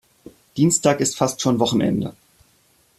Dienstag ist fast schon Wochenende.